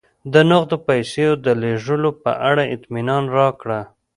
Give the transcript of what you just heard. د نغدو پیسو د لېږلو په اړه اطمینان راکړه